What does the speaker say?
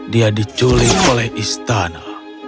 dia diculik oleh istana